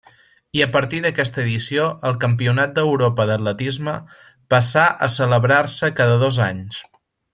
I a partir d'aquesta edició el Campionat d'Europa d'atletisme passà a celebrar-se cada dos anys.